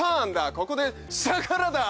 ここで下からだ。